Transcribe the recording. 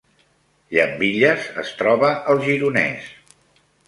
Llambilles es troba al Gironès